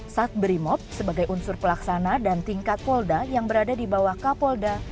sat brimob sebagai unsur pelaksana dan tingkat polda yang berada di bawah kapolda